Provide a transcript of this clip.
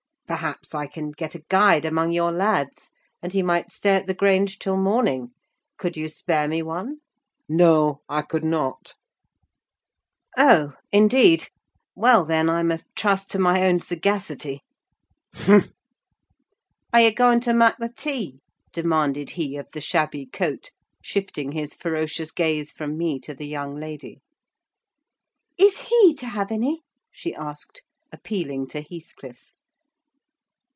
"Perhaps I can get a guide among your lads, and he might stay at the Grange till morning—could you spare me one?" "No, I could not." "Oh, indeed! Well, then, I must trust to my own sagacity." "Umph!" "Are you going to mak' the tea?" demanded he of the shabby coat, shifting his ferocious gaze from me to the young lady. "Is he to have any?" she asked, appealing to Heathcliff.